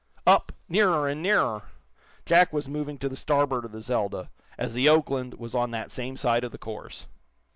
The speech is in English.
Up, nearer and nearer! Jack was moving to the starboard of the "Zelda," as the "Oakland" was on that same side of the course.